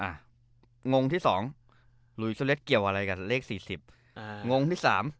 งงที่สองหลุยสุเล็ดเกี่ยวอะไรกับเลขสี่สิบอ่างงที่สาม